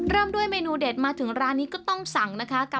เริ่มด้วยเมนูเด็ดมาถึงร้านนี้ก็ต้องสั่งนะคะ